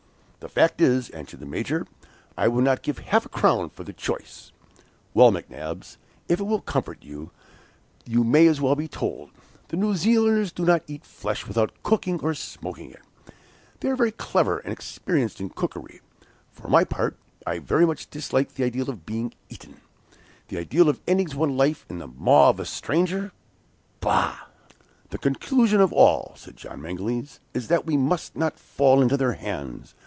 "The fact is," answered the Major, "I would not give half a crown for the choice!" "Well, McNabbs, if it will comfort you you may as well be told the New Zealanders do not eat flesh without cooking or smoking it. They are very clever and experienced in cookery. For my part, I very much dislike the idea of being eaten! The idea of ending one's life in the maw of a savage! bah!" "The conclusion of all," said John Mangles, "is that we must not fall into their hands.